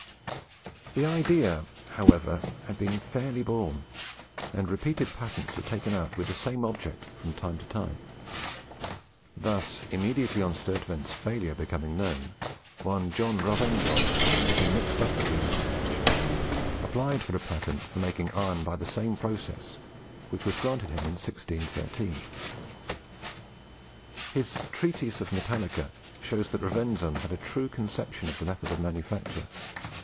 The idea, however, had been fairly born, and repeated patents were taken out with the same object from time to time. Thus, immediately on Sturtevant's failure becoming known, one John Rovenzon, who had been mixed up with the other's adventure, applied for a patent for making iron by the same process, which was granted him in 1613. His 'Treatise of Metallica' shows that Rovenzon had a true conception of the method of manufacture.